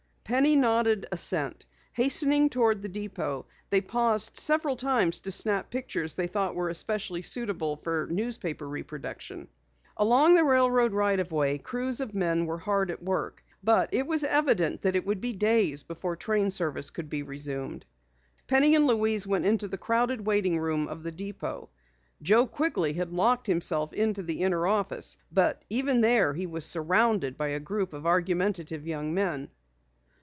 Penny nodded assent. Hastening toward the depot, they paused several times to snap pictures they thought were especially suitable for newspaper reproduction. Along the railroad right of way crews of men were hard at work, but it was evident that it would be days before train service could be resumed. Penny and Louise went into the crowded waiting room of the depot. Joe Quigley had locked himself into the inner office, but even there he was surrounded by a group of argumentative young men.